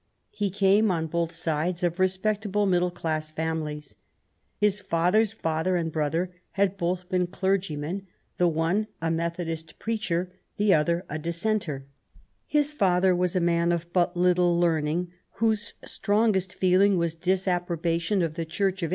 He came on l>oth sides of respectable middle class families. His father's father and brother had both been clergymen^ the ono a Alcthodist preacher, the other a Disfienter^ His father was a man of but little learning, whose »trongi>st feeling was disapprobation of the Church of WILLIAM GODWIN.